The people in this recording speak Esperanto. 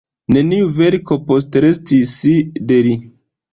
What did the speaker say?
Neniu verko postrestis de li.